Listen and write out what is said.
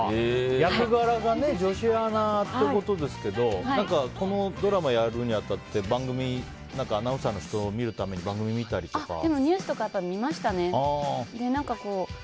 役柄が女子アナってことですがこのドラマやるに当たってアナウンサーの人を見るために番組を見たりとかは。ニュースとか見ましたね。